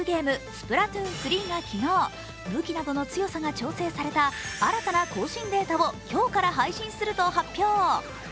「スプラトゥーン３」は昨日、ブキなどの強さが調整された新たな更新データを今日から配信すると発表。